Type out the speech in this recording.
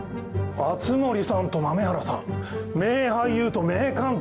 熱護さんと豆原さん名俳優と名監督。